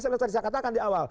nah makanya saya katakan di awal